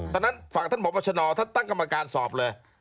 ฉะนั้นฝากท่านพบชนท่านตั้งกรรมการสอบเลย